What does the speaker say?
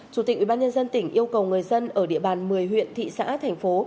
chủ tịch ubnd tỉnh yêu cầu người dân ở địa bàn một mươi huyện thị xã thành phố